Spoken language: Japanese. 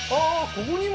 ここにも？